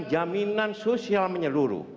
jaminan sosial menyeluruh